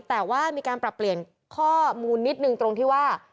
แต่ว่ามีการปรับเปลี่ยนข้อมูลนิดนึงตรงที่ว่า